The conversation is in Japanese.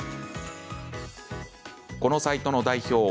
このサイトの代表